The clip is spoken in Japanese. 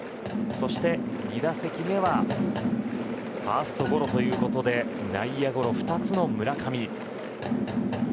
そして２打席目はファーストゴロということで内野ゴロ２つの村上。